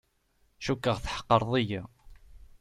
Cukkeɣ tḥeqqreḍ-iyi.